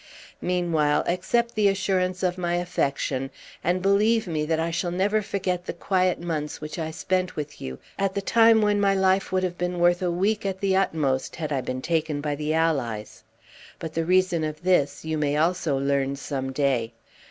Meanwhile, accept the assurance of my affection, and believe me that I shall never forget the quiet months which I spent with you, at the time when my life would have been worth a week at the utmost had I been taken by the Allies. But the reason of this you may also learn some day."